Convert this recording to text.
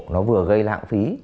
nó vừa gây lạng phí